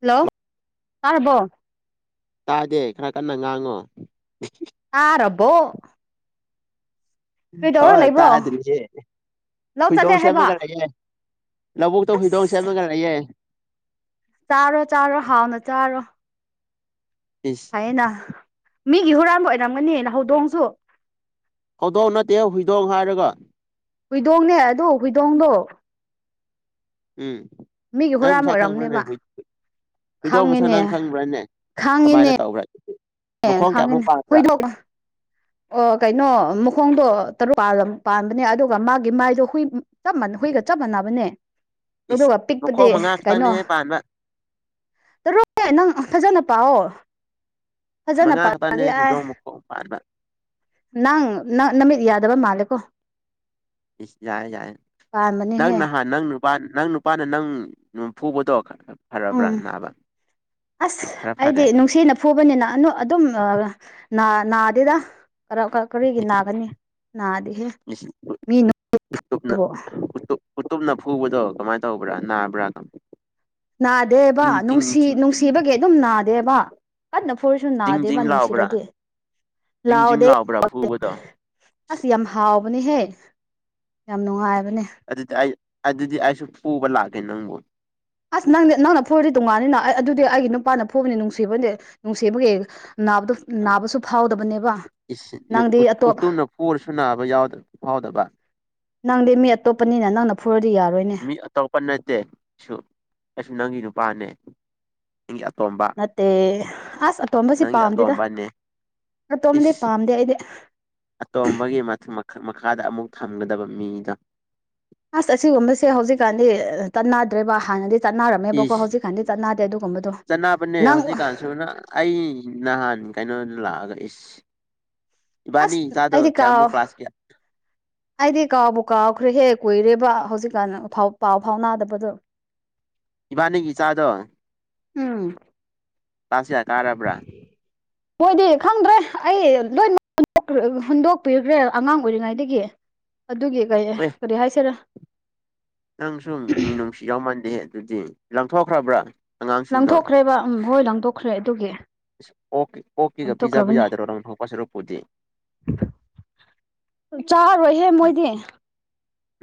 Hello ꯇꯥꯔꯕꯣ ꯇꯥꯗꯦ ꯈꯔꯔ ꯀꯟꯅꯥ ꯉꯥꯡꯉꯣ ꯇꯥꯔꯔꯕꯣ ꯍꯣꯏꯏ ꯂꯩꯕ꯭ꯔꯣ ꯇꯥꯗꯔꯤꯁꯦ꯫ ꯂꯧ ꯆꯠꯂꯦ ꯐꯩꯗꯣꯝ ꯍꯥꯏꯕ ꯁꯦꯝꯃꯒ ꯂꯩꯑꯦ ꯂꯧꯕꯨꯛꯇ ꯐꯩꯗꫭꯝ ꯑꯁ ꯁꯦꯝꯃꯒ ꯂꯛꯌꯦꯦ ꯆꯥꯔꯣ ꯆꯥꯔꯣ ꯍꯥꯎꯅꯥ ꯆꯥꯔꯣ꯫ ꯏꯁꯁ ꯐꯥꯏꯅꯥ ꯃꯤꯒꯤ ꯍꯨꯔꯥꯟꯕꯥ ꯑꯣꯏꯔꯝꯒꯅꯤꯅ ꯍꯧꯗꯣꯡꯁꯨ꯫ ꯍꯧꯗꯣꯡ ꯅꯠꯇꯦ ꯐꯩꯗꯣꯝ ꯍꯥꯏꯔꯒ ꯍꯨꯏꯗꯣꯡ ꯅꯦ ꯑꯗꫭ ꯍꯨꯏꯗꯣꯡ ꯗꯣ꯫ ꯎꯝ ꯃꯤꯒꯤ ꯅꯪ ꯍꯨꯔꯥꯟꯕ ꯅꯥ ꯈꯪꯕꯔꯥ ꯑꯣꯏꯔꯝꯅꯦꯕ ꯅ° ꯍꯨꯏꯗꫭꯡ ꯃꯁꯥ ꯈꯪꯉꯤꯅꯦ ꯅꯪ ꯈꯪꯕ꯭ꯔꯥꯅꯦ ꯀꯃꯥꯏꯅ ꯈꯪꯉꯤꯅꯦ ꯇꯧꯕ꯭ꯔꯥ ꯑꯦ ꯃꯈꯣꯡ ꯀꯌꯥꯃꯨꯛ ꯄꯥꯗ꯭ꯔꯥ꯫ ꯑꯣꯑꫭ ꯀꯩꯅꯣ ꯃꯈꯣꯡꯗꯣ ꯇꯔꯨꯥꯛ ꯄꯥꯟꯕꯅꯦ꯫ ꯑꯗꯨꯒ ꯃꯥꯒꯤ ꯃꯥꯏꯗꯣ ꯍꯨꯏ ꯆꯞ ꯃꯥꯟ ꯍꯨꯏꯒ ꯆꯞ ꯃꯥꯟꯅꯕꯅꯦ꯫ ꯏꯁ ꯑꯗꯨꯒꯥ ꯄꯤꯛꯄꯗꯤ ꯃꯈꯣꯡ ꯃꯉꯥ ꯀꯩꯅꯣ ꯈꯛꯇꯪꯅꯦꯍꯦ ꯄꯥꯟꯕ ꯇꯥꯔꯣꯑꯦ ꯅꯪ ꯐꯖꯥꯅ ꯇꯥꯎ ꯃꯅꯥ ꯈꯛꯄꯝꯅꯦ ꯍꯧꯗꫭꯡ ꯃꯀꯣꯛ ꯄꯥꯟꯕꯥ ꯅꯪ ꯅꯃꯤꯠ ꯌꯥꯗꯕꯥ ꯃꯥꯂꯀꯣ꯫ ꯏꯁ ꯌꯥꯔꯦ ꯌꯥꯔꯦ ꯄꯥꯟꯕꯅꯦꯍꯦ ꯅꯪꯅ ꯍꯥ ꯅꯪꯒꯤ ꯅꯨꯄꯥ ꯅꯪ ꯅꯨꯄꯥꯅ ꯅꯪ ꯕꯨ ꯐꯨꯕꯗꯣ꯫ ꯎꯝꯝ ꯐꯔꯕ꯭ꯔꯥ ꯅꯥꯕ ꯑꯥꯁ ꯈꯔ ꯑꯩꯗꯤ ꯐꯔꯦ ꯅꯨꯡꯁꯤꯅꯥ ꯐꯨꯕꯅꯤ ꯅꯤ ꯑꯗꯨꯝ ꯅꯥ ꯅꯥꯗꯦꯗ ꯀꯔꯤꯒꯤ ꯅꯥꯒꯅꯤ ꯅꯥꯗꯤꯍꯦ ꯏꯁ ꯃꯤ ꯅꯥ ꯎꯇꯨꯞꯅ ꯐꯨꯕꯥꯕꯨ ꯎꯇꯨꯞ ꯎꯇꯨꯞꯅ ꯐꯨꯕꯗꯣ ꯀꯃꯥꯏꯅ ꯇꯧꯕ꯭ꯔꯥ ꯅꯥꯕ꯭ꯔꯥ ꯑꯗꯨꯝ ꯅꯥꯗꯦꯕꯥ ꯅꯨꯡꯁꯤ ꯅꯨꯡꯁꯤꯕꯒꯤ ꯑꯗꯨꯝ ꯅꯥꯗꯦꯕꯥ ꯀꯟꯅ ꯐꯨꯔꯁꯨ ꯖꯤꯡ ꯅꯥꯗꯦ ꯕꯥ ꯖꯤꯡ ꯂꯥꯎꯕ꯭ꯔꯥ ꯅꯨꯡꯁꯤꯔꯗꯤ ꯖꯤꯡ ꯂꯥꯎ ꯖꯤꯡ ꯗ ꯂꯥꯎꯕ꯭ꯔꯥ ꯑꯣꯗꯦ ꯐꯨꯕꯗꯣ ꯑꯁ ꯌꯥꯝꯅ ꯍꯥꯎꯕꯅꯦ ꯍꯦ ꯌꯥꯝ ꯅꯨꯡꯉꯥꯏꯕꯅꯦ꯫ ꯑꯗꯨꯗꯤ ꯑꯩ ꯑꯗꯨꯗꯤ ꯑꯩꯁꯨ ꯐꯨꯕ ꯂꯥꯛꯀꯦ ꯅꯪꯕꯨ꯫ ꯑꯁ ꯅꯪꯗꯤ ꯅꯪꯅ ꯐꯨꯔꯗꯤ ꯇꯣꯡꯉꯥꯟꯅꯤ ꯅ ꯑꯩ ꯑꯗꯨꯗꯤ ꯑꯩꯒꯤ ꯅꯨꯄꯥꯅ ꯐꯨꯕꯅꯤ ꯅꯨꯡꯁꯤꯕꯅꯤ ꯅꯨꯡꯁꯤꯕꯒꯤ꯫ ꯅꯥꯕꯗꫭ ꯅꯥꯕꯁꯨ ꯐꯥꯎꯗꯕꯅꯦꯕꯥ ꯅꯪꯗꯤ ꯑꯇꯣꯞꯄ ꯍꯨꯔꯁꯨ ꯅꯥꯕꯥ ꯐꯥꯎ ꯗꯥꯕ ꯅꯪꯗꯤ ꯃꯤ ꯑꯇꯣꯞꯄꯥ ꯅꯤꯅ ꯅꯪꯅ ꯐꯨꯔꯗꯤ ꯌꯥꯔꯣꯏꯅꯦ꯫ ꯑꯇꯣꯞꯄꯥ ꯅꯠꯇꯦ ꯑꯩꯁꯨ ꯑꯩꯁꯨ ꯅꯪꯒꯤ ꯅꯨꯄꯥꯅꯦ꯫ ꯏꯪꯒꯤ ꯑꯇꯣꯝꯕꯅꯤ꯫ ꯅꯠꯇꯦ ꯑꯥꯁ ꯑꯇꯣꯝꯕꯁꯤ ꯄꯥꯝꯗꯦꯗ ꯑꯇꯣꯝꯕꯅꯦ ꯑꯇꯣꯝꯕꯗꯤ ꯏꯁ ꯄꯥꯝꯗꯦ ꯑꯩꯗꯤ ꯑꯇꯣꯝꯕꯒꯤ ꯃꯈꯥ ꯃꯈꯥꯗ ꯑꯃꯨꯛ ꯊꯝꯒꯗꯕꯥ ꯃꯤꯗꫭ꯫ ꯑꯁ ꯑꯁꯤꯒꯨꯝꯕꯁꯤ ꯍꯧꯖꯤꯛꯀꯥꯟꯗꯤ ꯆꯠꯅꯗ꯭ꯔꯦꯕ ꯫ ꯍꯥꯟꯅꯗꯤ ꯆꯠꯅꯥꯔꯝ ꯃꯦꯕꯀꯣ ꯏꯁ ꯍꯧꯖꯤꯛꯀꯥꯟꯗꯤ ꯆꯠꯅꯗꯦ ꯑꯗꯨꯒꯨꯝꯕ ꯗꯣ꯫ ꯆꯠꯅꯕꯅꯦ ꯅꯪ ꯍꯧꯖꯤꯛꯀꯥꯟꯁꯨ ꯑꯩ ꯅꯍꯥꯟ ꯀꯩꯅꯣꯗꯥ ꯂꯥꯛꯑꯒ ꯏꯁꯁ ꯏꯕꯥꯅꯤ ꯑꯁ ꯏꯆꯥꯗꯣ ꯑꯩꯗꯤ ꯀꯥꯎ ꯀꯌꯥꯃꯨꯛ ꯀ꯭ꯂꯥꯁ ꯀꯌꯥ ꯑꯩꯗꯤ ꯀꯥꯎꯕꯨ ꯀꯥꯎꯈ꯭ꯔꯦ ꯍꯦ ꯀꯨꯏꯔꯦꯕꯥ ꯍꯧꯖꯤꯛꯀꯥꯟ ꯄꯥꯎ ꯐꯥꯎꯅꯥꯗꯕꯗꯣ꯫ [unintelligible] ꯏꯕꯥꯅꯤ ꯒꯤ ꯏꯆꯥꯗꯣ ꯎꯝꯝ ꯀꯂꯥ꯭ꯁ ꯀꯌꯥ ꯀꯥꯔꯕ꯭ꯔꯥ ꯃꫭꯏꯗꯤ ꯈꯪꯗ꯭ꯔꯦ ꯑꯩ ꯂꯣꯏꯃꯛ ꯍꯨꯟꯗꯣꯛꯄꯤꯈ꯭ꯔꯦ ꯑꯉꯥꯡ ꯑꯣꯏꯔꯤꯉꯩꯗꯒꯤ ꯑꯗꯨꯒꯤ ꯀꯩ ꯀꯔꯤ ꯍꯥꯏꯁꯤꯔꯥ ꯅꯪꯁꯨꯨ ꯃꯤꯅꯨꯡꯁꯤ ꯌꯥꯎꯃꯥꯟꯗꯦ ꯑꯗꯨꯗꯤ ꯂꯪꯊꯣꯛꯈ꯭ꯔꯕ꯭ꯔꯥ ꯑꯉꯥꯡꯁꯤꯡꯗꯣ ꯂꯪꯊꯣꯛꯈ꯭ꯔꯦꯕ ꯎꯝ ꯍꯣꯏ ꯂꯪꯊꯣꯛꯈ꯭ꯔꯦ ꯑꯗꯨꯒꯤ ꯑꯣꯀꯦ ꯑꯣꯀꯤꯒ ꯄꯤꯖꯥꯕ ꯂꯪꯊꯣꯛꯈ꯭ꯔꯕꯅꯦ ꯌꯥꯗꯔꯣ ꯂꯛꯊꯣꯛꯄ ꯁꯤꯔꯨꯛꯄꯨꯗꯤ ꯆꯥꯔꫭꯏ ꯆꯔꯣꯢꯍꯦ ꯎꯝ ꯃꯣꯏꯗꯤ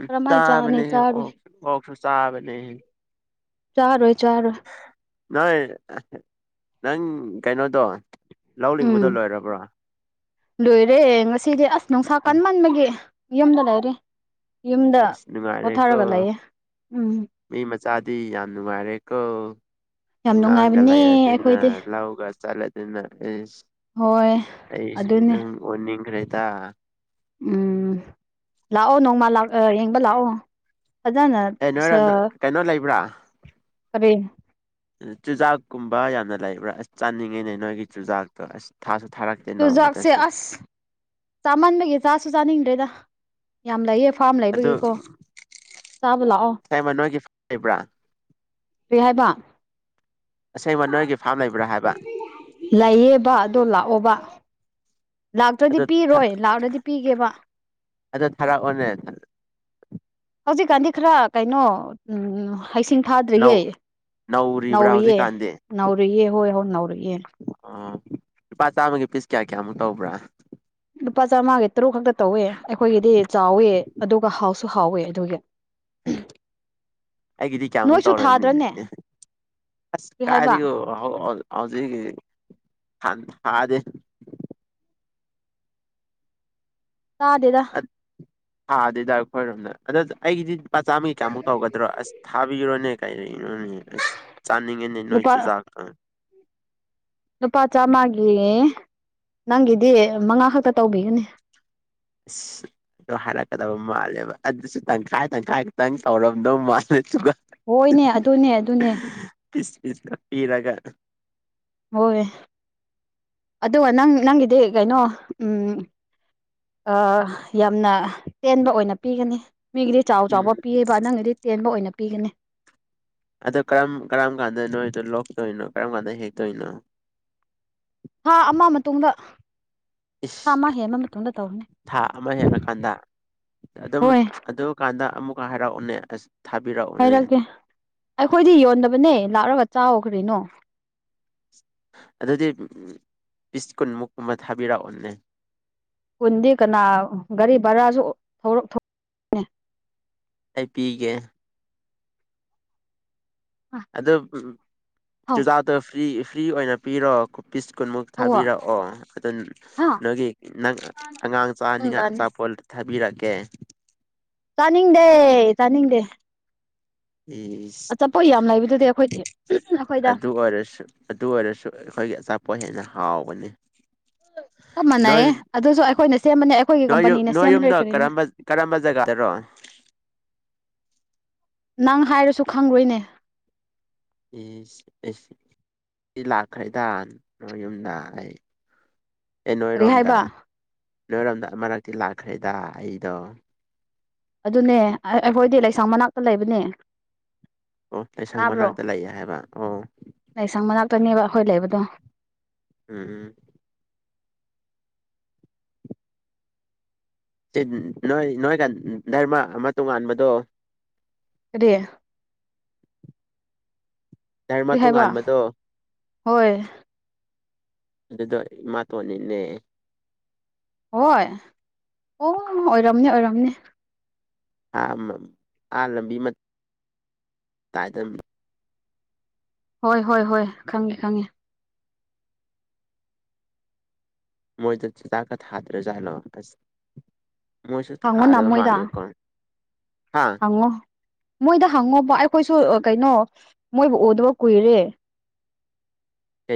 ꯎꯝ ꯀꯔꯝꯍꯥꯢꯅ ꯆꯥꯅꯤ ꯆꯥꯕꯅꯦꯍꯦ ꯆꯥꯔꯣꯢ ꯑꯣꯛ ꯑꯣꯛꯁꯨ ꯆꯥꯕꯅꯦ ꯆꯔꯣꯢ ꯆꯔꯣꯢ ꯅꯣꯏ ꯅꯪ ꯀꯩꯅꯣꯗꯣ ꯂꯧꯅꯤꯡꯕꯗꯣ ꯎꯝ ꯂꯣꯏꯔꯕ꯭ꯔꯣ ꯂꯣꯏꯔꯦ ꯉꯁꯤꯗꯤ ꯑꯁ ꯅꯨꯡꯁꯥ ꯀꯟꯃꯟꯕꯒꯤ ꯌꯨꯝꯗ ꯂꯩꯔꯦ ꯌꯨꯝꯗ ꯑꯁ ꯑꯁ ꯅꯨꯡꯉꯥꯏꯔꯦꯀꯣ ꯄꯣꯊꯔꯒ ꯂꯩꯌꯦ ꯎꯝ ꯃꯤ ꯃꯆꯥꯗꯤ ꯌꯥꯝ ꯅꯨꯡꯉꯥꯏꯔꯦ ꯀꯣ ꯌꯥꯝ ꯑꯉꯥꯡꯒ ꯅꯨꯡꯉꯥꯏꯕꯅꯦ ꯂꯩꯔꯗꯅ ꯑꯩꯈꯣꯏꯗꯤ ꯂꯧꯒ ꯆꯠꯂꯁꯤꯅ ꯢꯁ ꯍꯣꯏ ꯑꯩꯁꯨ ꯑꯗꯨꯅꯦ ꯅꯪ ꯑꯣꯟꯅꯤꯡꯈ꯭ꯔꯦꯗ ꯎꯝ ꯂꯥꯛꯑꯣ ꯅꯣꯡꯃ ꯌꯦꯡꯕ ꯂꯥꯛꯑꯣ ꯐꯖꯅ ꯑꯦ ꯅꯣꯏꯔꯝ ꯁ ꯀꯩꯅꯣ ꯂꯩꯕ꯭ꯔꯥ ꯀꯔꯤ ꯆꯨꯖꯥꯛꯀꯨꯝꯕ ꯌꯥꯝꯅ ꯂꯩꯕ꯭ꯔꯥ ꯑꯁ ꯆꯥꯅꯤꯡꯉꯤꯅꯦ ꯅꯣꯏꯒꯤ ꯆꯨꯖꯥꯛꯇꯣ ꯑꯁ ꯊꯥꯁꯨ ꯊꯥꯔꯛꯇꯦ ꯆꯨꯖꯥꯛꯁꯦ ꯅꯣꯡꯃꯗꯁꯨ ꯑꯁ ꯆꯥꯃꯟꯕꯒꯤ ꯆꯥꯁꯨ ꯆꯥꯅꯤꯡꯗ꯭ꯔꯦꯗ ꯌꯥꯝ ꯂꯩꯌꯦ ꯐꯥꯔꯝ ꯑꯗꯨ ꯂꯩꯕꯒꯤꯀꯣ ꯆꯥꯕ ꯂꯥꯛꯑꯣ ꯀꯩꯃ ꯅꯣꯏꯒꯤ ꯐꯥꯝ ꯂꯩꯕ꯭ꯔꯥ ꯀꯔꯤ ꯍꯥꯏꯕ ꯑꯁꯦꯡꯕ ꯅꯣꯏꯒꯤ ꯐꯥꯝ ꯂꯩꯕ꯭ꯔꯥ ꯍꯥꯏꯕ ꯂꯩꯌꯦꯕ ꯑꯗꯣ ꯂꯥꯛꯑꯣꯕ ꯂꯥꯛꯇ꯭ꯔꯗꯤ ꯑꯗꯨ ꯄꯤꯔꯣꯏ ꯂꯥꯛꯂꯗꯤ ꯄꯤꯒꯦꯕ ꯑꯗꯣ ꯊꯥꯔꯛꯑꯣꯅꯦ ꯍꯧꯖꯤꯛꯀꯥꯟꯗꯤ ꯈꯔ ꯀꯩꯅꯣ ꯎꯝ ꯍꯩꯁꯤꯡ ꯐꯥꯗ꯭ꯔꯤꯌꯦ ꯅꯧꯔꯤꯕ꯭ꯔꯥ ꯅꯧꯔꯤꯌꯦ ꯍꯧꯖꯤꯛꯀꯥꯟꯗꯤ ꯅꯧꯔꯤꯑꯦ ꯍꯣꯏ ꯍꯣꯏ ꯅꯧꯔꯤꯑꯦ ꯑꯣ ꯂꯨꯄꯥ ꯆꯥꯝꯃꯒꯤ ꯄꯤꯁ ꯀꯌꯥ ꯀꯌꯥꯃꯨꯛ ꯇꯧꯕ꯭ꯔꯥ ꯂꯨꯄꯥ ꯆꯥꯝꯃꯉꯥꯒꯤ ꯇꯔꯨꯛ ꯈꯛꯇ ꯇꯧꯋꯦ ꯑꯩꯈꯣꯏꯒꯤꯗꯤ ꯆꯥꯎꯋꯦ ꯑꯗꯨꯒ ꯍꯥꯎꯁꯨ ꯍꯥꯎꯋꯦ ꯑꯗꯨꯒꯤ ꯎ [inaudible] ꯑꯩꯒꯤꯗꯤ ꯀꯌꯥꯃꯨꯛ ꯇꯧꯔꯅꯤ ꯑꯁ ꯀꯔꯤ ꯍꯥꯏꯕ ꯀꯥꯏꯗꯒꯤ ꯥꯎ ꯍꯧꯖꯤꯛ ꯊꯥꯗꯦ ꯇꯥꯗꯦꯗ ꯊꯥꯗꯧꯗ ꯑꯩꯈꯣꯢꯔꯣꯝꯗ ꯑꯗ ꯑꯩꯒꯤꯗꯤ ꯂꯨꯄꯥ ꯆꯥꯝꯃꯒꯤ ꯀꯌꯥꯃꯨꯛ ꯇꯧꯒꯗ꯭ꯔꯣ ꯑꯁ ꯊꯥꯕꯤꯔꯣꯅꯦ ꯀꯔꯤꯅꯣꯅꯦ ꯑꯁ ꯆꯥꯅꯤꯡꯉꯤꯅꯦ ꯅꯣꯏ ꯂꯨꯄꯥ ꯆꯨꯖꯥꯛꯇꯣ ꯂꯨꯄꯥ ꯆꯥꯝꯃꯒꯤ ꯅꯪꯒꯤꯗꯤ ꯃꯉꯥ ꯈꯛꯇ ꯇꯧꯕꯤꯒꯅꯤ ꯑ [inaudible] ꯑꯗꯣ ꯍꯥꯏꯔꯛꯀꯗꯕ ꯃꯥꯜꯂꯦꯕ ꯑꯗꯨꯁꯨ ꯇꯪꯈꯥꯏ ꯇꯪꯈꯥꯏ ꯈꯛꯇꯪ ꯇꯧꯔꯝꯗꯧ ꯃꯥꯜꯂꯦ ꯑꯗꯨꯒ ꯍꯣꯏꯅꯦ ꯑꯗꯨꯅꯦ ꯑꯗꯨꯅꯦ ꯄ ꯏꯔꯒꯣ [inaudible] ꯍꯣꯏ ꯑꯗꯨꯒ ꯅꯪ ꯅꯪꯒꯤꯗꯤ ꯀꯩꯅꯣ ꯎꯝ ꯑ ꯌꯥꯝꯅ ꯇꯦꯟꯕ ꯑꯣꯏꯅ ꯄꯤꯒꯅꯤ ꯃꯤꯒꯤꯗꯤ ꯆꯥꯎ ꯎꯝ ꯆꯥꯎꯕ ꯄꯤꯌꯦꯕ ꯅꯪꯅꯗꯤ ꯇꯦꯟꯕ ꯑꯣꯏꯅ ꯄꯤꯒꯅꯤ ꯑꯗꯣ ꯀꯔꯝ ꯀꯔꯝ ꯀꯥꯟꯗ ꯅꯣꯏꯗꯣ ꯂꯣꯛꯇꯧꯔꯤꯅꯣ ꯀꯔꯝ ꯀꯥꯟꯗ ꯍꯦꯛꯇꯣꯢꯅꯣ ꯊꯥ ꯑꯃ ꯃꯇꯨꯡꯗ ꯊꯥ ꯏꯁ ꯑꯃ ꯍꯦꯟꯕ ꯃꯇꯨꯡꯗ ꯇꯧꯅꯤ ꯊꯥ ꯑꯃ ꯍꯦꯜꯂꯀꯥꯟꯗ ꯑꯗꯨꯝ ꯍꯣꯏ ꯑꯗꯨ ꯀꯥꯟꯗ ꯑꯃꯨꯛꯀ ꯍꯥꯏꯔꯛꯎꯅꯦ ꯑꯁ ꯊꯥꯕꯤꯔꯛꯎꯅꯦ ꯍꯥꯏꯔꯛꯀꯦ ꯑꯩꯈꯣꯏꯗꯤ ꯌꯣꯟꯗꯕꯅꯦ ꯂꯥꯛꯔꯒ ꯆꯥꯎꯀꯔꯤꯅꯣ ꯑꯗꯨꯗꯤ ꯄꯤꯁ ꯀꯨꯟꯃꯨꯛꯀꯨꯝꯕ ꯊꯥꯕꯤꯔꯛꯑꯣꯅꯦ ꯀꯨꯟꯗꯤ ꯀꯅꯥ ꯒꯥꯔꯤ ꯚꯔꯥꯁꯨ ꯊ‍ꯣꯛ ꯑꯩ ꯄꯤꯒꯦ ꯊꯧ ꯑꯗꯣ ꯆꯨꯖꯥꯛꯇꯣ ꯐ꯭ꯔꯤ ꯐ꯭ꯔꯤ ꯑꯣꯏꯅ ꯄꯤꯔꯣ ꯄꯤꯁ ꯀꯨꯟꯃꯨꯛ ꯊꯧꯋꯣ ꯊꯥꯕꯤꯔꯛꯑꯣ ꯑꯗꯨꯝ ꯍꯥ ꯅꯣꯏꯒꯤ ꯅꯪ ꯑꯉꯥꯡ ꯎꯝ ꯆꯥꯅꯤꯡꯉꯥꯏ ꯑꯆꯥꯄꯣꯠ ꯊꯥꯕꯤꯔꯛꯀꯦ ꯆꯥꯅꯤꯡꯗꯦ ꯆꯥꯅꯤꯡꯗꯦ ꯏꯁ ꯑꯆꯥꯄ‍ꯣꯠ ꯌꯥꯝ ꯂꯩꯕꯗꯨꯗꯤ ꯑꯩꯈꯣꯏꯗꯤ ꯑꯩꯈꯣꯏꯗ ꯔꯦꯁ ꯑꯗꯨ ꯑꯣꯏꯔꯁꯨ ꯑꯩꯈꯣꯏꯒꯤ ꯑꯆꯥꯄꯣꯠ ꯍꯦꯟꯅ ꯍꯥꯎꯕꯅꯤ ꯆꯞ ꯅꯣꯏ ꯃꯥꯟꯅꯩꯌꯦ ꯑꯗꯨꯁꯨ ꯑꯩꯈꯣꯏꯅ ꯁꯦꯝꯕꯅꯦ ꯑꯩꯈꯣꯏꯒꯤ ꯅꯣꯏ ꯌꯨꯝ ꯀꯝꯄꯅꯤꯅ ꯅꯣꯏ ꯁꯦꯝꯕ ꯅ‌ꯦ ꯌꯨꯝꯗꯣ ꯀꯔꯤꯅꯣ ꯀꯔꯝꯕ ꯀꯔꯝꯕ ꯖꯒꯥꯗꯔꯣ ꯅꯪ ꯍꯥꯏꯔꯁꯨ ꯈꯪꯔꯣꯏꯅꯦ ꯏꯁ ꯑꯩ ꯂꯥꯛꯈ꯭ꯔꯦꯗꯥ ꯅꯣꯏ ꯌꯨꯝꯗ ꯑꯩ ꯑꯦ ꯀꯔꯤ ꯅꯣꯏꯔꯣꯝꯗ ꯍꯥꯏꯕ ꯅꯣꯏꯔꯣꯝꯗ ꯑꯃꯔꯛꯇꯤ ꯂꯥꯛꯈ꯭ꯔꯦꯗ ꯑꯩꯗꯣ ꯑꯗꯨꯅꯦ ꯑꯩꯈꯣꯏꯗꯤ ꯂꯩꯁꯥꯡ ꯃꯅꯥꯛꯇ ꯂꯩꯕꯅꯦ ꯑꯣ ꯂꯥꯏꯁꯪ ꯇꯥꯕ꯭ꯔꯣ ꯃꯅꯥꯛꯇ ꯂꯩꯌꯦ ꯍꯥꯏꯕ ꯑꯣ ꯂꯩꯁꯪ ꯃꯅꯥꯛꯇꯅꯦꯕ ꯑꯩꯈꯣꯏ ꯂꯩꯕꯗꯣ ꯎꯝ ꯎꯝ ꯅꯣꯏ ꯅꯣꯏꯒ ꯙꯔꯃ ꯑꯃ ꯇꯣꯉꯥꯟꯕꯗꯣ ꯀꯔꯤ ꯙꯔꯃ ꯀꯔꯤ ꯍꯥꯏꯕ ꯇꯣꯉꯥꯟꯕꯗꯣ ꯍꯣꯏ ꯑꯗꯨꯗꯣ ꯏꯃꯥꯇꯣꯟꯅꯤꯅꯦ ꯍꯣꯏ ꯑꯣ ꯑꯣꯏꯔꯝꯅꯤ ꯑꯣꯏꯔꯝꯅꯤ ꯑꯥ ꯂꯝꯕꯤ ꯃꯇꯥꯏꯗ ꯍꯣꯏ ꯍꯣꯏ ꯍꯣꯏ ꯈꯪꯉꯦ ꯈꯪꯉꯦ ꯃꯣꯏꯗ ꯆꯨꯖꯥꯛꯀ ꯊꯥꯗ꯭ꯔꯦꯖꯥꯠꯂꯣ ꯑꯁ ꯃꯣꯏꯁꯨ ꯍꯪꯉꯨꯅ ꯊꯥꯗꯕ ꯃꯣꯏꯗ ꯃꯥꯜꯂꯦ ꯀꯣ ꯍꯥ ꯍꯪꯉꯣ ꯃꯣꯏꯗ ꯍꯪꯉꯣꯕ ꯑꯩꯈꯣꯏꯁꯨ ꯀꯩꯅꯣ ꯃꯣꯏꯕꯨ ꯎꯗꯕ ꯀꯨꯏꯔꯦ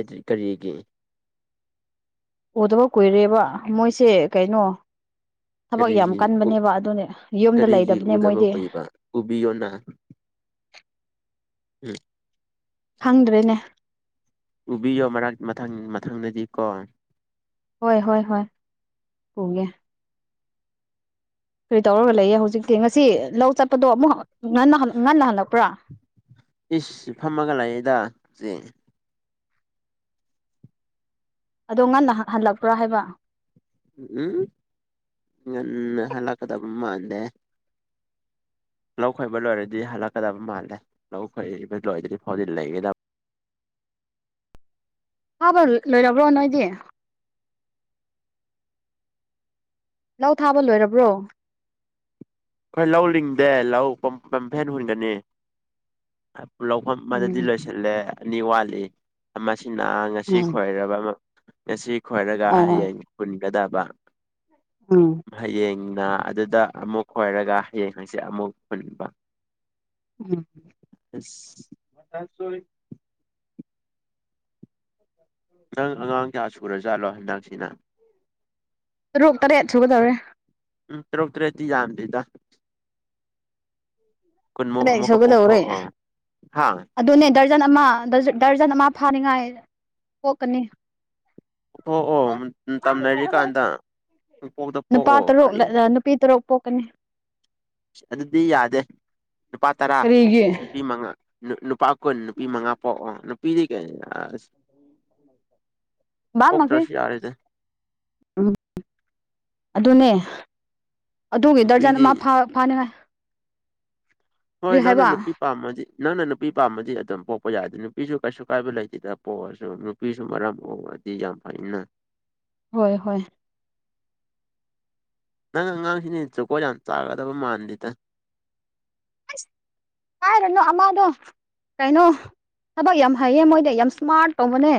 ꯔꯤ ꯀꯔꯤꯒꯤ ꯎꯗꯕ ꯀꯨꯏꯔꯦꯕ ꯃꯣꯏꯁꯦ ꯀꯩꯅꯣ ꯊꯕꯛ ꯌꯥꯝ ꯀꯔꯤꯒꯤ ꯎ- ꯀꯟꯕꯅꯦꯕ ꯑꯗꯨꯅꯦ ꯌꯨꯝꯗ ꯂꯩꯗꯕꯅꯦ ꯃꯣꯏꯗꯤ ꯄꯨꯕꯤꯌꯣꯅ ꯈꯪꯗ꯭ꯔꯦꯅꯦ ꯄꯨꯕꯤꯌꯣ ꯃꯔꯛ ꯃꯊꯪ ꯃꯊꯪꯗꯗꯤ ꯀꯣ ꯍꯣꯏ ꯍꯣꯏ ꯍꯣꯏ ꯄꯨꯒꯦ ꯀꯔꯤ ꯇꯧꯔꯒ ꯂꯩꯌꯦ ꯍꯧꯖꯤꯛꯇꯤ ꯉꯁꯤ ꯂꯧ ꯆꯠꯄꯗꯣ ꯑꯃꯨꯛ ꯉꯟꯅ ꯉꯟꯅ ꯍꯜꯂꯛꯄ꯭ꯔꯥ ꯏꯁ ꯐꯝꯃꯒ ꯂꯥꯛꯌꯦꯗ ꯁꯦ ꯑꯗꯣ ꯉꯟꯅ ꯍꯜꯂꯛꯄ꯭ꯔꯥ ꯍꯥꯏꯕ ꯎꯝ ꯉꯟꯅ ꯍꯂꯛꯀꯗꯕ ꯃꯥꯟꯗꯦ ꯂꯧ ꯈꯣꯏꯕ ꯂꯣꯏꯔꯗꯤ ꯍꯜꯂꯛꯀꯗꯕ ꯃꯥꯜꯂꯦ ꯂꯧ ꯈꯣꯏꯕ ꯂꯣꯏꯗ꯭ꯗꯤ ꯐꯥꯎꯗꯤ ꯂꯩꯒꯗꯕ ꯐꯥꯕ ꯂꯣꯏꯔꯕ꯭ꯔꯣ ꯅꯣꯏꯗꯤ ꯂꯧ ꯊꯥꯕ ꯂꯣꯏꯔꯕ꯭ꯔꯣ ꯑꯩꯈꯣꯏ ꯂꯧ ꯂꯤꯡꯗꯦ ꯂꯧ ꯄꯝꯐꯦꯟ ꯍꯨꯟꯒꯅꯤ ꯂꯧꯐꯝ ꯑꯃꯗꯗꯤ ꯎꯝ ꯂꯣꯏꯁꯤꯜꯂꯦ ꯑꯅꯤ ꯋꯥꯠꯂꯤ ꯃꯁꯤꯅ ꯉꯁꯤ ꯎꯝ ꯈꯣꯏꯔꯕ ꯉꯁꯤ ꯈꯣꯏꯔꯒ ꯑꯣ ꯍꯌꯦꯡ ꯍꯨꯟꯒꯗꯕ ꯎꯝ꯫ ꯍꯌꯦꯡꯅ ꯑꯗꯨꯗ ꯑꯃꯨꯛ ꯈꯣꯏꯔꯒ ꯍꯌꯦꯡ ꯍꯥꯡꯆꯤꯠ ꯑꯃꯨꯛ ꯍꯨꯟꯕ꯫ ꯑꯁ [unintelligible] ꯅꯪ ꯑꯉꯥꯡ ꯀꯌꯥ ꯁꯨꯔꯖꯥꯠꯂꯣ ꯍꯟꯗꯛꯁꯤꯅ ꯇꯔꯨꯛ ꯇꯔꯦꯠ ꯁꯨꯒꯗꯧꯔꯦ ꯎꯝ ꯇꯔꯨꯛ ꯇꯔꯦꯠꯇꯤ ꯌꯥꯝꯗꯦꯗ ꯀꯨꯟꯃꯨ ꯇꯔꯦꯠ ꯑꯃꯨꯛꯀ ꯁꯨꯒꯗꯧꯔꯦ ꯄꯣꯛꯊꯣꯛꯑꯣ ꯍꯥ ꯑꯗꯨꯅꯦ ꯗꯔꯖꯟ ꯑꯃ ꯗꯔꯖꯟ ꯗꯔꯖꯟ ꯑꯃ ꯐꯥꯅꯤꯉꯥꯏ ꯄꯣꯛꯀꯅꯤ꯫ ꯄꯣꯛꯑꯣ ꯇꯝꯅꯔꯤꯀꯥꯟꯗ ꯄꯨꯡꯄꯣꯛꯇ ꯄꯣꯛꯑꯣ ꯀꯔꯤ ꯄꯤ ꯇꯔꯨꯛ ꯄꯣꯛꯀꯅꯤ꯫ ꯢꯁ ꯑꯗꯨꯗꯤ ꯌꯥꯗꯦ ꯅꯨꯄꯥ ꯇꯔꯥ ꯀꯔꯤꯒꯤ ꯅꯨꯄꯤ ꯃꯉꯥ ꯅꯨꯄꯥ ꯀꯨꯟ ꯅꯨꯄꯤ ꯃꯉꯥ ꯄꯣꯛꯑꯣ ꯅꯨꯄꯤꯗꯤ ꯀꯩ ꯑꯁ ꯕꯥꯃꯒꯦ ꯄꯣꯛꯇ꯭ꯔꯁꯨ ꯌꯥꯔꯦꯗ꯫ ꯎꯝ ꯑꯗꯨꯅꯦ ꯑꯗꯨꯒꯤ ꯗꯔꯖꯟ ꯅꯨꯄꯤꯗꯤ ꯑꯃ ꯐꯥ ꯐꯥꯅꯤꯉꯥꯏ‌꯫ ꯍꯣꯏ ꯅꯪꯅ ꯅꯨꯄꯤ ꯄꯥꯝꯃꯗꯤ ꯅꯪꯅ ꯅꯨꯄꯤ ꯄꯥꯝꯃꯗꯤ ꯑꯗꯨꯝ ꯄꯣꯛꯄ ꯌꯥꯏꯗ ꯅꯨꯄꯤꯁꯨ ꯀꯩꯁꯨ ꯀꯥꯏꯕ ꯂꯩꯇꯦꯗ ꯄꯣꯛꯑꯁꯨ꯫ ꯄꯤꯁꯨ ꯃꯔꯝ ꯃꯣꯛꯑꯗꯤ ꯌꯥꯝ ꯐꯩꯅ꯫ ꯍꯣꯏ ꯍꯣꯏ ꯅꯪ ꯑꯉꯥꯡꯁꯤꯅꯤ ꯖꯨꯀꯣꯠ ꯌꯥꯝ ꯆꯥꯒꯗꯕ ꯃꯥꯟꯗꯦꯗ꯫ ꯑꯁ ꯀꯥꯏꯗꯅꯣ ꯑꯃꯥꯗꯣ ꯀꯩꯅꯣ ꯊꯕꯛ ꯌꯥꯝ ꯍꯩꯌꯦ ꯃꯣꯏꯗꯤ ꯌꯥꯝ ꯏꯁꯃꯥꯔꯠ ꯇꯧꯕꯅꯦ꯫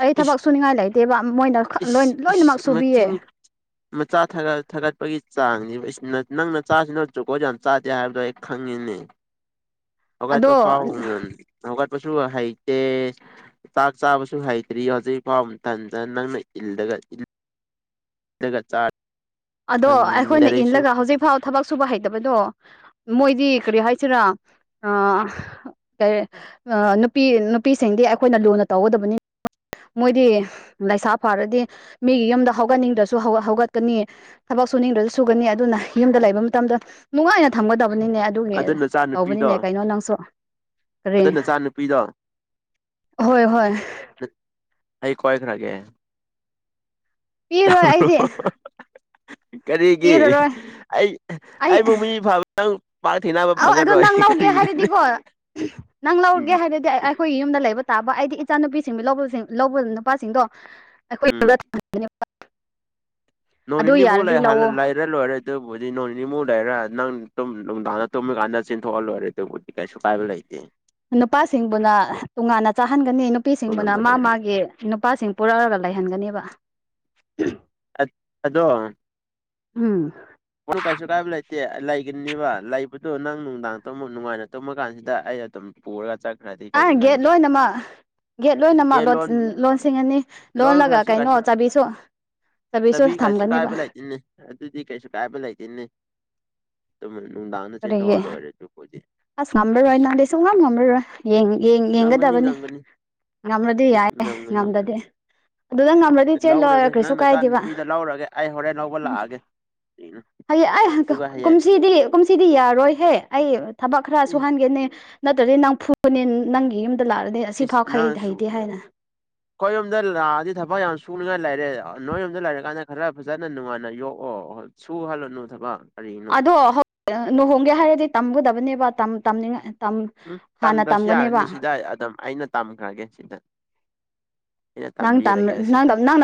ꯑꯩ ꯏꯁ ꯊꯕꯛ ꯁꯨꯅꯤꯡꯉꯥꯏ ꯂꯩꯇꯦꯕ ꯃꯣꯏꯅ ꯈꯠ ꯂꯣꯏꯅ ꯏꯁ ꯂꯣꯏꯅꯃꯛ ꯏꯁ ꯁꯨꯕꯤꯌꯦ꯫ ꯃꯆꯤꯟ ꯃꯆꯥ ꯊꯥꯒꯠ ꯊꯥꯒꯠꯄꯒꯤ ꯆꯥꯡꯅꯦꯕ ꯑꯁ ꯅꯪ ꯅꯪ ꯆꯥꯁꯤꯅ ꯖꯨꯒꯣꯠ ꯌꯥꯝ ꯆꯥꯗꯦ ꯍꯥꯏꯕꯗꯣ ꯈꯪꯉꯤꯅꯦ꯫ ꯍꯧꯒꯠꯄ ꯑꯗꯣ ꯐꯥꯎ ꯉꯝ ꯍꯧꯒꯠꯄꯁꯨ ꯍꯩꯇꯦ꯫ ꯆꯥꯛ ꯆꯥꯕꯁꯨ ꯍꯩꯇ꯭ꯔꯤ ꯍꯧꯖꯤꯛꯐꯥꯎ ꯃꯊꯟꯗ ꯅꯪꯅ ꯏꯜꯂꯒ ꯑꯗꯨꯒ ꯆꯥꯛ ꯑꯗꯣ ꯑꯩꯈꯣꯏꯅ ꯏꯜꯂꯒ ꯍꯧꯖꯤꯛ ꯐꯥꯎ ꯊꯕꯛ ꯁꯨꯕ ꯍꯩꯇꯕꯗꯣ ꯃꯣꯏꯗꯤ ꯀꯔꯤ ꯍꯥꯏꯁꯤꯔꯥ ꯑꯥ ꯀꯩ ꯑꯥ ꯅꯨꯄꯤ ꯅꯨꯄꯤꯁꯤꯡꯗꯤ ꯑꯩꯈꯣꯏꯅ ꯂꯨꯅ ꯇꯧꯒꯗꯕꯅꯤ꯫ ꯃꯣꯏꯗꯤ ꯂꯩꯁꯥ ꯐꯥꯔꯗꯤ ꯃꯤꯒꯤ ꯌꯨꯝꯗ ꯍꯧꯒꯠꯅꯤꯡꯗ꯭ꯔꯁꯨ ꯍꯧꯒꯠꯀꯅꯤ꯫ ꯊꯕꯛ ꯁꯨꯅꯤꯡꯗ꯭ꯔꯁꯨ ꯁꯨꯒꯅꯤ ꯑꯗꯨꯅ ꯌꯨꯝꯗ ꯂꯩꯕ ꯃꯇꯝꯗ ꯅꯨꯡꯉꯥꯏꯅ ꯊꯝꯒꯗꯕꯅꯤꯅꯦ꯫ ꯑꯗꯨꯒꯤ ꯑꯗꯨ ꯅꯆꯥ ꯇꯧꯕꯅꯤꯅꯦ ꯅꯨꯄꯤꯗꯣ ꯀꯩꯅꯣ ꯅꯪꯁꯨ ꯀꯔꯤ ꯅꯇ ꯅꯆꯥ ꯅꯨꯨꯄꯤꯗꯣ ꯍꯣꯏ ꯍꯣꯏ ꯑꯩ ꯀꫭꯏꯈꯔꯒꯦ ꯄꯤꯔꯣꯏ ꯑꯩꯗꯤ ꯀꯔꯤꯒꯤ ꯄꯤꯔꯔꯣꯏ ꯑꯩ ꯑꯩ ꯑꯩꯕꯨ ꯃꯤ ꯐꯕ ꯅꯪ ꯄꯥꯛ ꯊꯦꯡꯅꯔꫭꯏ‌꯫ ꯑꯧ ꯑꯗꯨ ꯅꯪ ꯂꯧꯒꯦ ꯍꯥꯏꯔꯗꯤꯀꯣ ꯅꯪ ꯂꯧꯔꯒꯦ ꯎꯝ ꯍꯥꯏꯔꯗꯤ ꯑꯩ ꯑꯩꯈꯣꯏꯒꯤ ꯌꯨꯝꯗ ꯂꯩꯕ ꯇꯥꯕ ꯑꯩꯗꯤ ꯏꯆꯥ ꯅꯨꯨꯄꯤꯁꯤꯡꯕꯨ ꯂꯧꯕꯁꯤꯡ ꯂꯧꯕ ꯅꯨꯄꯥꯁꯤꯡꯗꯣ ꯑꯩꯈꯣꯏ ꯌꯨꯝꯗ ꯎꯝ [unintelligible] ꯅꯣꯡ ꯑꯗꯨ ꯅꯤꯅꯤꯃꯨꯛ ꯌꯥꯔꯗꯤ ꯂꯩꯔ ꯂꯧꯋꫭ ꯫ [unintelligible] ꯂꯣꯏꯔꯦ ꯑꯗꯨꯕꯨꯗꯤ ꯅꯣꯡ ꯅꯤꯅꯤꯃꯨꯛ ꯂꯩꯔ ꯅꯪ ꯇꯨꯝ ꯅꯨꯡꯗꯥꯡꯗ ꯇꯨꯝꯃꯤꯀꯥꯟꯗ ꯆꯦꯟꯊꯣꯛꯑꯥ ꯂꯣꯏꯔꯦ ꯑꯗꯨꯕꯨ ꯀꯥꯏꯁꯨ ꯀꯥꯏꯕ ꯂꯩꯥꯇꯦ꯫ ꯅꯨꯄꯥꯁꯤꯡꯕꯨꯅ ꯇꯣꯉꯥꯟꯅ ꯆꯥꯍꯟꯒꯅꯤ ꯅꯨꯞ ꯄꯤꯁꯤꯡꯕꯨꯅ ꯃꯥ ꯉꯝꯒꯗ꯭ꯔꯅꯤ ꯃꯥꯒꯤ ꯅꯨꯄꯥꯁꯤꯡ ꯄꯨꯔꯛꯑꯒ ꯂꯩꯍꯟꯒꯅꯦꯕ꯫ ꯑ ꯑꯗꯣ ꯎꯝ꯫ ꯑꯣ ꯀꯩꯁꯨ ꯀꯥꯏꯕ ꯂꯩꯇꯦ ꯂꯩꯒꯅꯤꯕ ꯂꯩꯕꯗꯣ ꯅꯪ ꯅꯨꯡꯗꯥꯡ ꯇꯨꯝꯃꯨ ꯅꯨꯡꯉꯥꯏꯅ ꯇꯨꯝꯃ ꯀꯥꯟꯁꯤꯗ ꯑꯩ ꯑꯗꯨꯝ ꯄꯨꯔ ꯆꯠꯈ꯭ꯔꯗꯤ ꯑꯥ ꯀꯔꯤ ꯒꯦꯠ ꯅꯪ ꯂꯣꯏꯅꯃꯛ ꯒꯦꯠ ꯂꯣꯏꯅꯃꯛ ꯂꯣꯟ ꯂꯣꯟꯁꯤꯡꯒꯅꯤ ꯂꯣꯜꯂꯒ ꯂꯣꯟꯈ꯭ꯔꯁꯨ ꯀꯩꯅꯣ ꯀꯩꯁꯨ ꯆꯥꯕꯤꯁꯨ꯫ ꯆꯕꯤꯁꯨ ꯆꯕꯤ ꯀꯩꯁꯨ ꯊꯝꯒꯅꯦꯕ ꯀꯥꯏꯕ ꯂꯩꯇꯦꯅꯦ ꯑꯗꯨꯗꯤ ꯀꯩꯁꯨ ꯀꯥꯏꯕ ꯂꯩꯇꯦꯅꯦ ꯑꯗꯨ ꯅꯨꯡꯗꯥꯡꯗ ꯆꯦꯟꯊꯣꯛꯑ ꯀꯔꯤꯒꯤ ꯂꯣꯏꯔꯦ ꯑꯗꯨꯕꯨꯗꯤ ꯑꯁ ꯉꯝꯃꯔꯣꯏ ꯅꯪꯗꯤ ꯁꯨꯡꯉꯝ ꯉꯝꯃꯔꯣꯏ ꯌꯦꯡ ꯌꯦꯡ ꯉꯝꯒꯅꯤ ꯌꯦꯡꯒꯗꯕꯅꯦ ꯉꯝꯒꯅꯤ ꯉꯝꯃꯗꯤ ꯏꯁ ꯌꯥꯏꯑꯦ ꯉꯝꯒꯅꯤ ꯉꯝꯗ꯭ꯔꯗꯤ ꯉꯝꯒꯅꯤ ꯑꯗꯨꯗ ꯉꯝꯂꯗꯤ ꯂꯧꯔꯒꯦ ꯆꯦꯜꯂꯣꯕ ꯀ꯭ꯔꯤꯁꯨ ꯅꯪ ꯀꯥꯏꯗꯦꯕ ꯅꯆꯥꯅꯨꯄꯤꯗ ꯂꯧꯔꯒꯦ ꯑꯩ ꯍꯣꯔꯦꯟ ꯂꯧꯕ ꯎ ꯂꯥꯛꯑꯒꯦ ꯀꯩꯅꯣ ꯍꯌꯦꯡ ꯑꯩ ꯑꯗꯨꯒ ꯍꯌꯦꯡ ꯀꯨꯝꯁꯤꯗꯤ ꯀꯨꯝꯁꯤꯗꯤ ꯌꯥꯔꯣꯏꯍꯦ ꯑꯩ ꯊꯕꯛ ꯈꯔ ꯏ ꯁꯨꯍꯟꯒꯦꯅꯦ ꯅꯠꯇ꯭ꯔꯗꯤ ꯅꯪ ꯐꯨꯕꯅꯤ ꯅꯪꯒꯤ ꯌꯨꯝꯗ ꯂꯥꯛꯑꯗꯤ ꯑꯁꯤꯐꯥꯎ ꯈꯩ ꯏꯅꯁꯨꯨ ꯍꯩꯇꯦ ꯍꯥꯏꯅ ꯑꯩꯈꯣꯏꯔꯣꯝꯗ ꯂꯥꯛꯑꯗꯤ ꯊꯕꯛ ꯌꯥꯝ ꯁꯨꯅꯉꯥꯏ ꯂꯩꯔꯦ ꯅꯣꯏꯔꯣꯝꯗ ꯂꯩꯔꯀꯥꯟꯗ ꯈꯔ ꯐꯖꯅ ꯅꯨꯡꯉꯥꯏꯅ ꯌꯣꯛꯑꯣ ꯁꯨ ꯍꯥꯜꯂꯨꯅꯨ ꯊꯕꯛ ꯀꯔꯤꯅꯣ ꯑꯗꯣ ꯂꯨꯍꯣꯡꯒꯦ ꯍꯥꯏꯔꯗꯤ ꯇꯝꯒꯗꯕꯅꯦꯕꯅꯤꯡꯉ ꯎꯝ ꯇꯝꯗ꯭ꯔꯁꯨ ꯌꯥꯔꯅꯤ ꯁꯤꯗ ꯑꯗꯨꯝ ꯑꯩꯅ ꯇꯝꯈ꯭ꯔꯒꯦ ꯁꯤꯗ ꯑꯩꯅ ꯅꯪ ꯇ ꯇꯝꯕꯤꯔꯒꯦ ꯁꯤꯗ ꯇ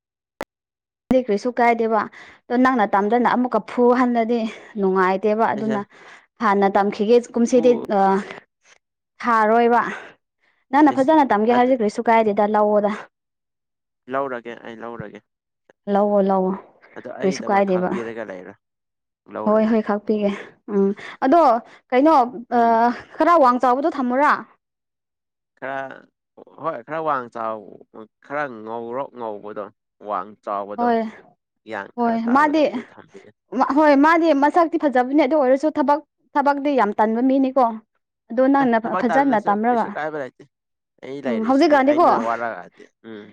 ꯗꯤ ꯀ꯭ꯔꯤꯁꯨ ꯀꯥꯏꯗꯦꯕ ꯑꯗꯣ ꯅꯪꯅ ꯇꯝꯗꯅ ꯑꯃꯨꯛꯀ ꯐꯨ ꯍꯜꯂꯗꯤ ꯅꯨꯡꯉꯥꯏꯇꯦꯕ ꯏꯁ ꯑꯗꯨꯅ ꯍꯥꯟꯅ ꯇꯝꯈꯤꯒꯦ ꯏꯐꯨ ꯀꯨꯝꯁꯤꯗꯤ ꯊꯥꯔꯣꯏꯕ ꯅꯪꯅ ꯏꯁ ꯐꯖꯅ ꯇꯝꯒꯦ ꯑꯗꯨ ꯍꯧꯖꯤꯛ ꯀꯔꯤ ꯁꯨ ꯀꯥꯏꯗꯦꯗ ꯂꯧꯑꯣꯗ ꯂꯧꯔꯒꯦ ꯑꯩ ꯂꯧꯔꯒꯦ ꯂꯧꯑꯣ ꯂꯧꯑꯣ ꯑꯗ ꯑꯩꯒꯤꯗꯃꯛ ꯈꯥꯛꯄꯤꯔꯒ ꯂꯩꯔꯣ ꯍꯣꯏ ꯂꯧꯔꯒꯦ ꯍꯣꯏ ꯈꯥꯛꯄꯤꯒꯦ ꯎꯝ ꯑꯗꯣ ꯀꯩꯅꯣ ꯎꯝ ꯈꯔ ꯋꯥꯡ ꯆꯥꯎꯕꯗꯣ ꯊꯝꯃꯣꯔꯥ ꯈꯔ ꯍꯣꯏ ꯈꯔ ꯋꯥꯡ ꯆꯥꯎ ꯈꯔ ꯉꯧꯔꯣꯛ ꯉꯧꯕꯗꯣ ꯋꯥꯡ ꯆꯥꯎꯕꯗꯣ ꯍꯣꯏ ꯌꯥꯟ ꯈꯔ ꯍꯣꯏ ꯇꯥꯕꯗꯣ ꯃꯥꯗꯤ ꯑꯗꯨ ꯊꯝꯕꯤꯌꯨ ꯍꯣꯏ ꯃꯥꯗꯤ ꯃꯁꯛꯇꯤ ꯐꯖꯕꯅꯦ ꯑꯗꯨ ꯑꯣꯏꯔꯁꯨ ꯊꯕꯛ ꯊꯕꯛꯇꯤ ꯌꯥꯝ ꯇꯟꯕ ꯃꯤꯅꯤꯀꯣ ꯑꯗꯣ ꯑꯦ ꯅꯪꯅ ꯊꯕꯛ ꯐꯖꯅ ꯇꯥꯜꯂꯁꯨ ꯇꯝꯔꯒ ꯀꯩꯁꯨ ꯀꯥꯏꯕ ꯂꯩꯇꯦ ꯑꯩ ꯎꯝ ꯂꯩꯔꯤꯁꯤꯗꯤ ꯍꯧꯖꯤꯛꯀꯥꯟꯗꯤꯀꯣ ꯑꯩꯅ ꯋꯥꯔꯛꯑꯗꯤ ꯎꯝ